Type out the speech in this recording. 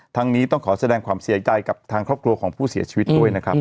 นี้ต้องขอแสดงความเสียใจกับทางครอบครัวของผู้เสียชีวิตด้วยนะครับ